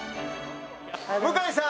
向井さん。